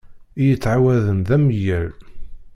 I yettɛawaden d ameyyal.